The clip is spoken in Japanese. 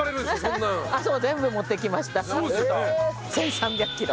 １３００キロ。